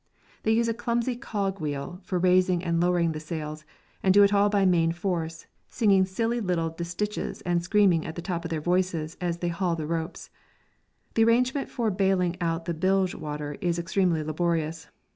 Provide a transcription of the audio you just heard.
They use a clumsy cogwheel for raising and lowering the sails, and do it all by main force, singing silly little distiches and screaming at the top of their voices as they haul the ropes. The arrangement for baling out the bilge water is extremely laborious.